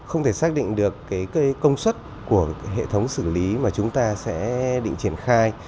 không thể xác định được công suất của hệ thống xử lý mà chúng ta sẽ định triển khai